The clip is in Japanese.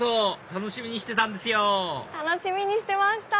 楽しみにしてました！